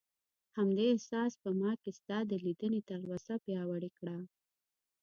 همدې احساس په ما کې ستا د لیدنې تلوسه پیاوړې کړه.